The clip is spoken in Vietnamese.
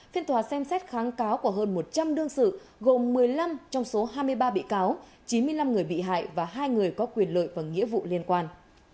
phiên tòa xem xét kháng cáo của hơn một trăm linh đương sự gồm một mươi năm trong số hai mươi ba bị cáo chín mươi năm người bị hại và hai người có quyền lợi và nghĩa vụ liên quan